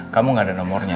kamu nggak ada nomornya